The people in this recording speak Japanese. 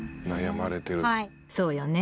そうよね